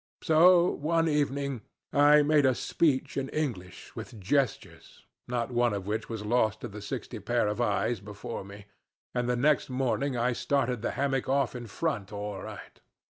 So, one evening, I made a speech in English with gestures, not one of which was lost to the sixty pairs of eyes before me, and the next morning I started the hammock off in front all right.